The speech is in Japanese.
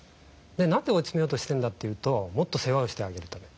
何で追い詰めようとしてるんだというともっと世話をしてあげるため。